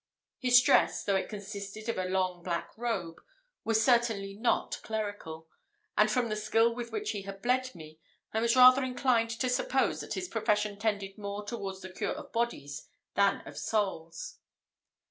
His dress, though it consisted of a long black robe, was certainly not clerical; and from the skill with which he had bled me, I was rather inclined to suppose that his profession tended more towards the cure of bodies than of souls.